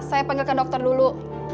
saya panggilkan dokter dulu